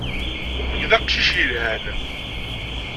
Nekk d aqcic yelhan.